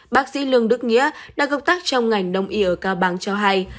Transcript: bác sĩ lương đức nghĩa đã gọc tắc trong ngành đông y ở cao bằng cho hay